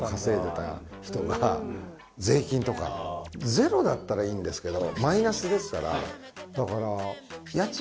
ゼロだったらいいんですけど。